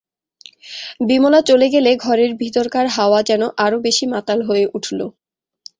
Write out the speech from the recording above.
বিমলা চলে গেলে ঘরের ভিতরকার হাওয়া যেন আরো বেশি মাতাল হয়ে উঠল।